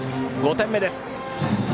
５点目です。